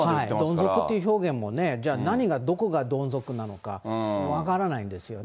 どん底って表現もね、じゃあ、何がどこがどん底なのか分からないんですよね。